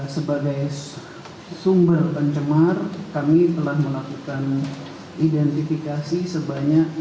sebagai sumber pencemar kami telah melakukan identifikasi sebanyak